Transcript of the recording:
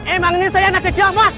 emangnya saya anak kecil pak